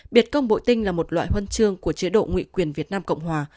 biệt công bội tinh là một loại huy chương của chế độ ngụy quyền việt nam cộng hòa